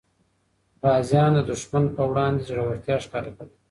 غازیان د دښمن په وړاندې زړورتیا ښکاره کوي.